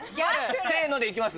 せーのでいきます？